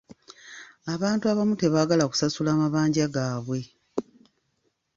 Abantu abamu tebaagala kusasula mabanja gaabwe.